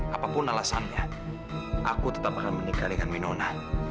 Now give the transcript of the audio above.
apapun alasannya aku tetap akan menikah dengan minona